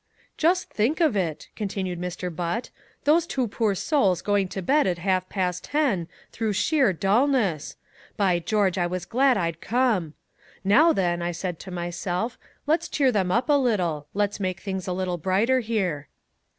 "Just think of it," continued Mr. Butt, "those two poor souls going to bed at half past ten, through sheer dullness! By George, I was glad I'd come. 'Now then,' I said to myself, 'let's cheer them up a little, let's make things a little brighter here.'